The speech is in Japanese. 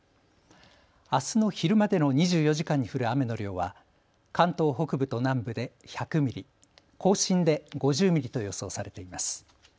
あすの昼までの２４時間に降る雨の量は関東北部と南部で１００ミリ、甲信で５０ミリと予想されています。